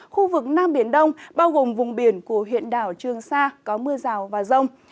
khu vực nam biển đông bao gồm vùng biển của huyện đảo trương sa có mưa rào và rông